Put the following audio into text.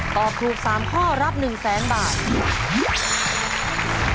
ตอบถูก๓ข้อรับ๑แสนบาท